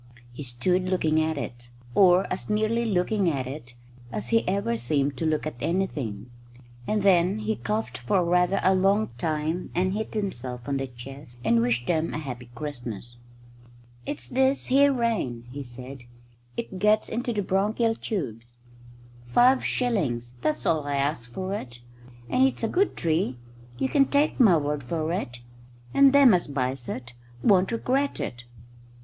He stood looking at it, or as nearly looking at it as he ever seemed to look at anything; and then he coughed for rather a long time and hit himself on the chest and wished them a happy Christmas. "It's this here rain," he said. "It gets into the bronchial tubes. Five shillings that's all I'll ask you for it. And it's a good tree. You can take my word for it. And them as buys it won't regret it."